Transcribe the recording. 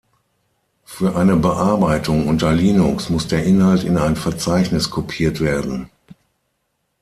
Für eine Bearbeitung unter Linux muss der Inhalt in ein Verzeichnis kopiert werden.